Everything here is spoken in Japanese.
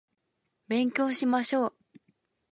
勉強しましょう